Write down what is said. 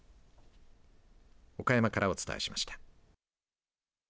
岡山からお伝えしました。